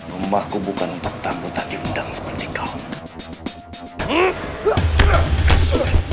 rumahku bukan untuk tangguh tak diundang seperti kamu